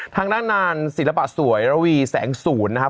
ทางด้านงานศิลปะสวยระวีแสงศูนย์นะครับ